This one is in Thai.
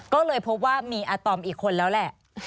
ก็เลยพบว่ามีอาตอมอีกคนแล้วแหละ